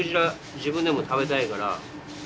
自分でも食べたいから。